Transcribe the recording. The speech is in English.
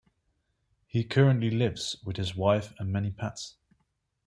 He currently lives with his wife and many pets.